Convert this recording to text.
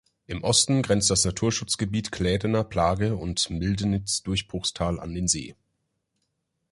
Im Osten grenzt das Naturschutzgebiet Klädener Plage und Mildenitz-Durchbruchstal an den See.